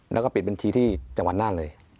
แล้วก็ปิดบัญชีที่จังหวัดน่านเลย